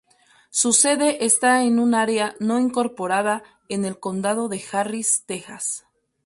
Su sede está en un área no incorporada en el Condado de Harris, Texas.